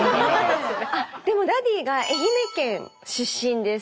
あっでもダディが愛媛県出身です。